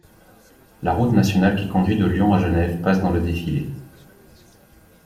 La route nationale qui conduit de Lyon à Genève passe dans le défilé.